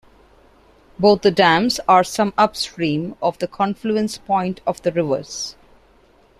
Both the dams are some upstream of the confluence point of the rivers.